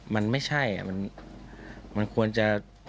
มันไม่ใช่มันควรจะ